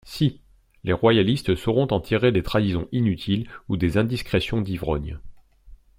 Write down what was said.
Si: les royalistes sauront en tirer des trahisons inutiles ou des indiscrétions d'ivrogne.